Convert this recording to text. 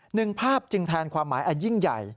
หนึ่งภาพจึงแทนความหมายอันยิ่งใหญ่